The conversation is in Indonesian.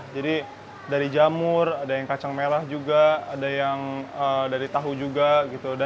jadi dari jamur ada yang kacang merah juga ada yang dari tahu juga gitu